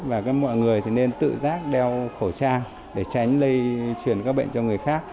và mọi người thì nên tự giác đeo khẩu trang để tránh lây chuyển các bệnh cho người khác